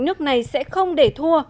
nước này sẽ không để thua